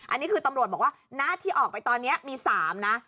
อันนี้คือตำรวจบอกว่าณที่ออกไปตอนนี้มี๓นะ